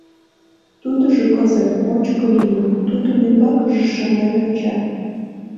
Тудыжо кызыт, ончыко лийын, тудын ӱмбакыже шымлен онча.